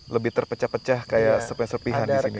lebih terpecah pecah kayak sepihan sepihan di sini